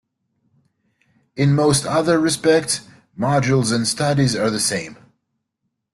In most other respects, Modules and Studies are the same.